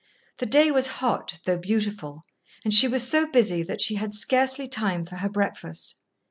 The day was hot, though beautiful, and she was so busy that she had scarcely time for her breakfast.